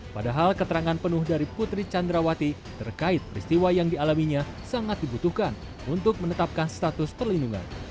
padahal keterangan penuh dari putri candrawati terkait peristiwa yang dialaminya sangat dibutuhkan untuk menetapkan status perlindungan